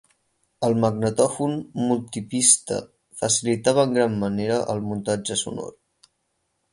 El magnetòfon multipista facilitava en gran manera el muntatge sonor.